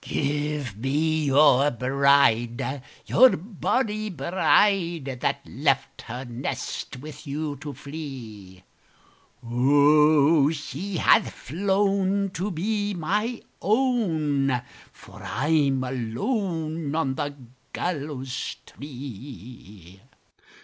"Give me your bride, your bonnie bride, That left her nest with you to flee! O, she hath flown to be my own, For I'm alone on the gallows tree!"